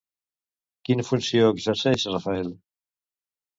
Quina funció exerceix Rafael?